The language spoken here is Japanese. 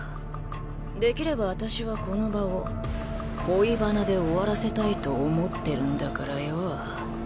できればあたしはこの場を恋バナで終わらせたいと思ってるんだからよぉ。